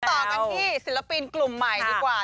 ต่อกันที่ศิลปินกลุ่มใหม่ดีกว่า